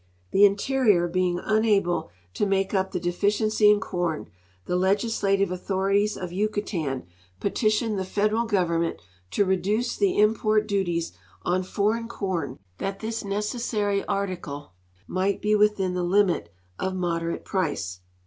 The interior being unable to make up the deficiency in corn, the legislative authorities of A'ucatan petitioned the federal government to reduce the import duties on foreign corn that this necessary article might be within the limit of moderate price.